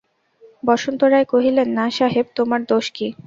বসন্ত রায় কহিলেন, না সাহেব, তোমার দোষ কী?